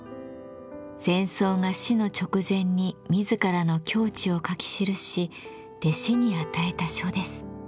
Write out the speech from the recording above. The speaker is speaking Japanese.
禅僧が死の直前に自らの境地を書き記し弟子に与えた書です。